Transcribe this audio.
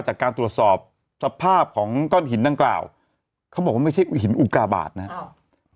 จากการตรวจสอบสภาพของก้อนหินดังกล่าวเขาบอกว่าไม่ใช่หินอุกาบาทนะครับ